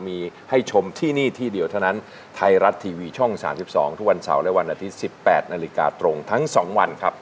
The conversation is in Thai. มีให้ชมที่นี่ที่เดียวเท่านั้นไทยรัฐทีวีช่อง๓๒ทุกวันเสาร์และวันอาทิตย์๑๘นาฬิกาตรงทั้ง๒วันครับ